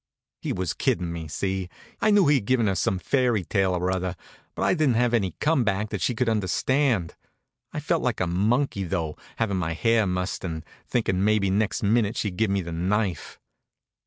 He was kiddin' me, see? I knew he'd given her some fairy tale or other, but I didn't have any come back that she could understand. I felt like a monkey though, having my hair mussed and thinkin' maybe next minute she'd give me the knife.